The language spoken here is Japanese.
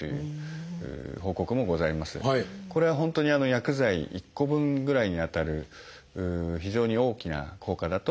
これは本当に薬剤１個分ぐらいにあたる非常に大きな効果だと我々は考えております。